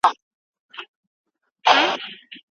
ولې ځینې خلګ د قانون خلاف عمل کوي؟